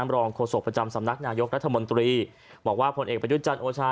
รองโฆษกประจำสำนักนายกรัฐมนตรีบอกว่าผลเอกประยุทธ์จันทร์โอชา